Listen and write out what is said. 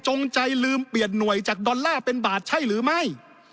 ใจลืมเปลี่ยนหน่วยจากดอลลาร์เป็นบาทใช่หรือไม่